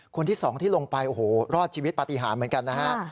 คนที่สองที่ลงไปโอ้โหรอดชีวิตปฏิหารเหมือนกันนะฮะ